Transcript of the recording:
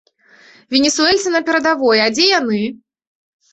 Венесуэльцы на перадавой, а дзе яны?